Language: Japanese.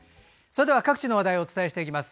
それでは各地の話題をお伝えしていきます。